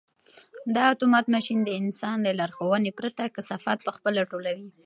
دا اتومات ماشین د انسان له لارښوونې پرته کثافات په خپله ټولوي.